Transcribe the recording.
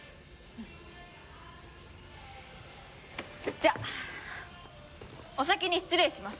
じゃあお先に失礼します。